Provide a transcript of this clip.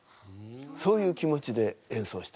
そういう気持ちで演奏してます。